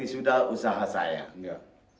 ini sudah usaha saya